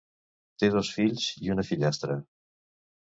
Té dos fills i una fillastra.